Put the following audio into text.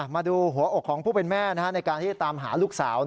มาดูหัวอกของผู้เป็นแม่ในการที่จะตามหาลูกสาว